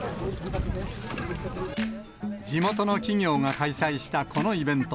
地元の企業が開催したこのイベント。